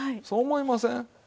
そう思いません？